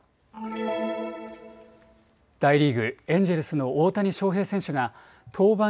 大リーグ、エンジェルスの大谷翔平選手が登板